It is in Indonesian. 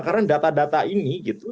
karena data data ini gitu